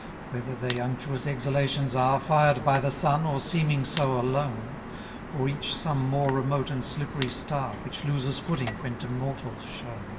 17 Whether they unctuous exhalations are, Fired by the sun, or seeming so alone: Or each some more remote and slippery star, Which loses footing when to mortals shown.